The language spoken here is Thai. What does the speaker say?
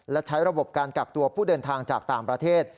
และใช้ระบบการกักตัวผู้เดินทางจากต่างประเทศ